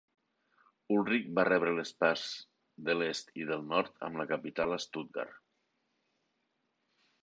Ulrich va rebre les parts de l'est i del nord amb la capital a Stuttgart.